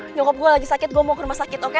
nyokop gue lagi sakit gue mau ke rumah sakit oke